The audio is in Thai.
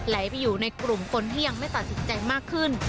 ไปอยู่ในกลุ่มคนที่ยังไม่ตัดสินใจมากขึ้น